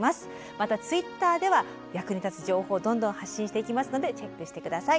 またＴｗｉｔｔｅｒでは役に立つ情報をどんどん発信していきますのでチェックして下さい。